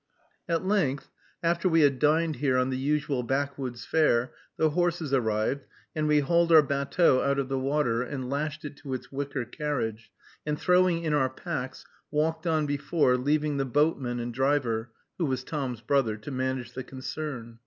At length, after we had dined here on the usual backwoods fare, the horses arrived, and we hauled our batteau out of the water, and lashed it to its wicker carriage, and, throwing in our packs, walked on before, leaving the boatmen and driver, who was Tom's brother, to manage the concern.